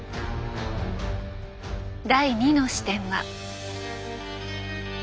第２の視点は。